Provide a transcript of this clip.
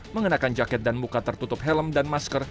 mengenakan jaket dan buka tertutup helm dan masker